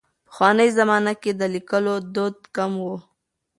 پخوانۍ زمانه کې د لیکلو دود کم و.